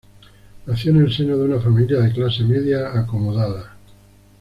Nació en el seno de una familia de clase media acomodada.